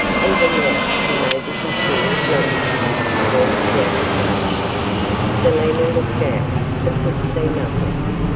Even now he may be concealed yonder' pointing down the garden. Selina looked out, but could see nothing.